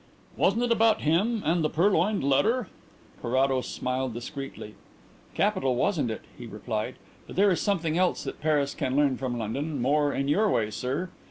Wasn't it about him and the Purloined Letter?" Carrados smiled discreetly. "Capital, wasn't it?" he replied. "But there is something else that Paris can learn from London, more in your way, sir.